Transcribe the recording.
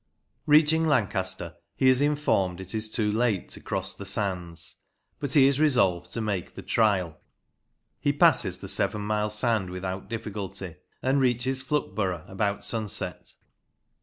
Reaching Lancaster, he is informed it is too late to cross the sands. But he is resolved to make the trial. He passes the seven mile sand without difficulty, and reaches Flookborough about sunset.